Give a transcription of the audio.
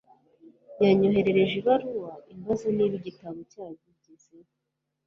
yanyoherereje ibaruwa imbaza niba igitabo cyangezeho